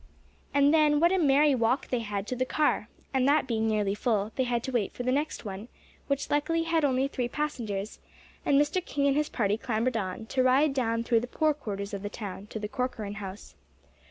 And then, what a merry walk they had to the car! and that being nearly full, they had to wait for the next one, which luckily had only three passengers; and Mr. King and his party clambered on, to ride down through the poor quarters of the town, to the Corcoran house.